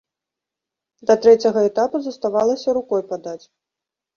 Да трэцяга этапу заставалася рукой падаць.